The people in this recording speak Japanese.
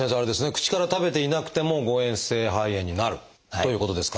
口から食べていなくても誤えん性肺炎になるということですか？